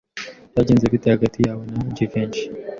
Byagenze bite hagati yawe na Jivency?